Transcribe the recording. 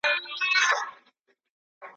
استاد باید په موضوع کي پوره معلومات ولري.